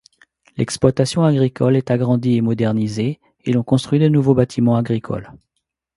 L'exploitation agricole est agrandie et modernisée et l'on construit de nouveaux bâtiments agricoles.